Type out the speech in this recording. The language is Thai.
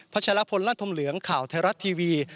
พระชาละพลลันทมเหลืองข่าวไทยรัฐทีวี